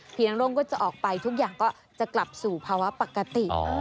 ร่มก็จะออกไปทุกอย่างก็จะกลับสู่ภาวะปกติ